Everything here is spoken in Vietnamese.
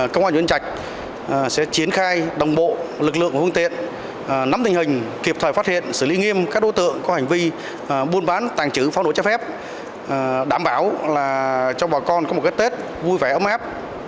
cơ quan nhân trạch sẽ chiến khai đồng bộ lực lượng và huyện tiện nắm tình hình kịp thời phát hiện xử lý nghiêm các đối tượng có hành vi buôn bán tàng trữ pháo nổ cho phép đảm bảo cho bà con có một cái tết vui vẻ ấm áp